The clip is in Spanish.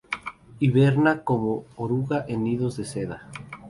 Hiberna como oruga en nidos de seda.